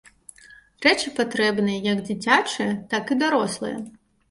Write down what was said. Рэчы патрэбныя як дзіцячыя, так і дарослыя.